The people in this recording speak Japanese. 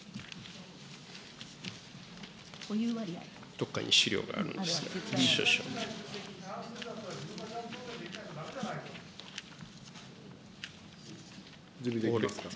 どっかに資料があるんですが。